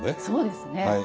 そうですね。